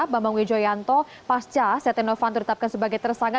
bambang gwejo yanto pasca setia novanto ditetapkan sebagai tersangka